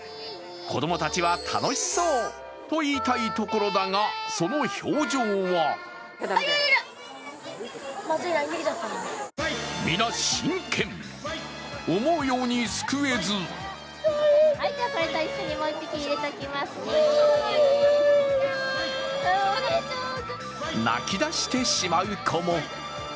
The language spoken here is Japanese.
子供たちは楽しそうといいたいところだが、その表情は皆、真剣、思うようにすくえず泣きだしてしまう子も。